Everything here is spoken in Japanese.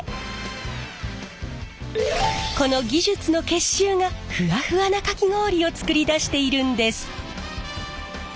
この技術の結集がふわふわなかき氷を作り出しているんです。